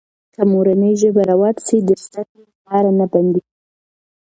که مورنۍ ژبه رواج سي، د زده کړې لاره نه بندېږي.